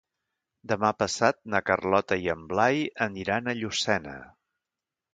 Demà passat na Carlota i en Blai aniran a Llucena.